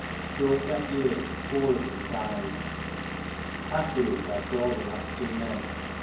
During that year four of them died. Afterwards I saw the last two men.